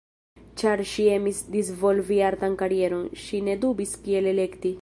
Ĉar ŝi emis disvolvi artan karieron, ŝi ne dubis kiel elekti.